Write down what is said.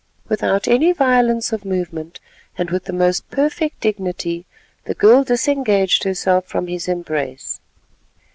Without any violence of movement, and with the most perfect dignity, the girl disengaged herself from his embrace.